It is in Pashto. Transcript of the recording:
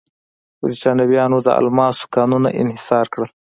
برېټانویانو د الماسو کانونه انحصار کړل.